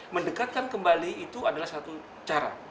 mendekatkan kembali itu adalah satu cara